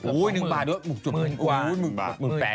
โอ้โฮนึงบาทด้วยมุกจุบนึงกว่าโอ้โฮนึงบาท